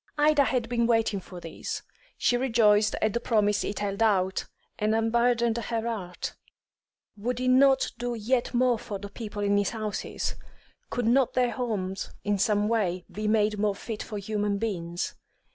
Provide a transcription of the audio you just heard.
Ida had been waiting for this; she rejoiced at the promise it held out, and unburdened her heart. Would he not do yet more for the poor people in his houses? Could not their homes in some way be made more fit for human beings?